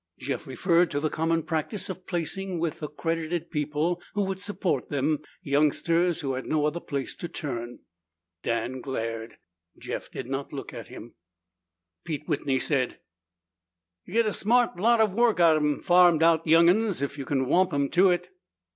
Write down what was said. Jeff referred to the common practice of placing with accredited people who would support them, youngsters who had no other place to turn. Dan glared. Jeff did not look at him. Pete Whitney said, "You git a smart lot of work out'en a farmed out young'un if you whomp him to it."